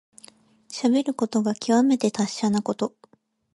しゃべることがきわめて達者なこと。